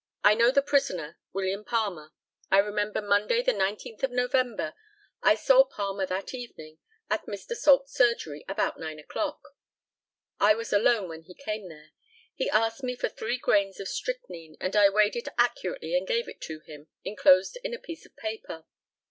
I know the prisoner, William Palmer. I remember Monday, the 19th of November. I saw Palmer that evening at Mr. Salt's surgery about nine o'clock. I was alone when he came there. He asked me for three grains of strychnine, and I weighed it accurately and gave it to him, enclosed in a piece of paper.